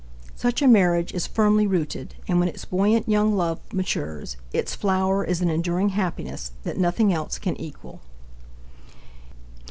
Such a marriage is firmly rooted, and when its buoyant young love matures, its flower is an enduring happiness that nothing else can equal.